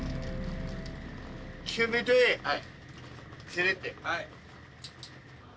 はい。